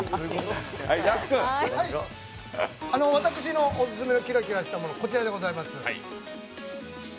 私のオススメのキラキラしたもの、こちらでございます。